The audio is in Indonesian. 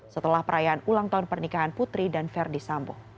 setelah perayaan ulang tahun pernikahan putri dan verdi sambo